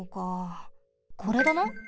これだな？